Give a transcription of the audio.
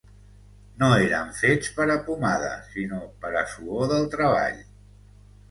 No eren fets pera pomada, sinó pera suor del treball.